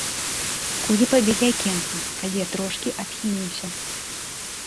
Кулі пабілі акенца, калі я трошку адхінуўся.